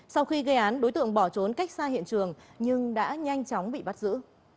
sau khi gây án đối tượng bỏ trốn cách xa hiện trường nhưng đã nhanh chóng bị bắt giữ